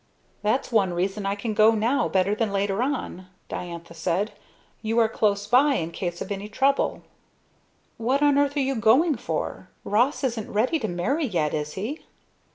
"That's one reason I can go now better than later on," Diantha said. "You are close by in case of any trouble." "What on earth are you going for? Ross isn't ready to marry yet, is he?"